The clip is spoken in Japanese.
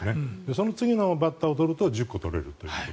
その次のバッターを取ると１０個取れると。